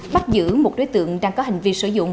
bắt giữ một đối tượng đang có hành vi sử dụng